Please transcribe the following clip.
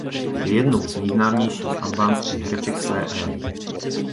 Je jednou z nejznámějších albánských hereček své éry.